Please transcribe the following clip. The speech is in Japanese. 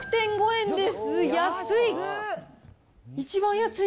安い。